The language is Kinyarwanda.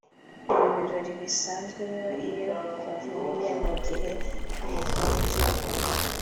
Ibi birori bisanzwe biba iyo bavuye mu gihe cy'ubukonje bukomeye (Winter)